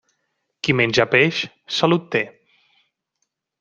Qui menja peix, salut té.